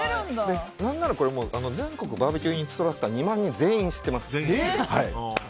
何なら、全国バーベキューインストラクター２万人全員知っています。